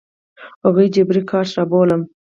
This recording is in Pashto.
هغوی جبري کار ته رابولم.